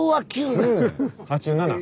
８７。